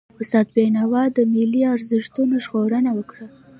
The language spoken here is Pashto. استاد بينوا د ملي ارزښتونو ژغورنه وکړه.